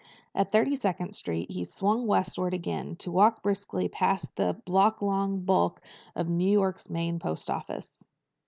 At Thirty second Street he swung westward again, to walk briskly past the block long bulk of New York's main post office.